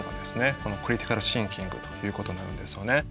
このクリティカル・シンキングということになるんですよね。